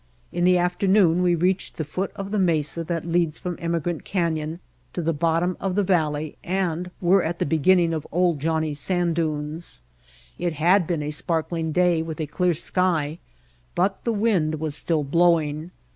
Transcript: In the afternoon we reached the foot of the mesa that leads from Emigrant Canyon to the bottom of the valley and were at the beginning of ''Old Johnnie's" sand dunes. It had been a sparkling day with a clear sky, but the wind was still blowing.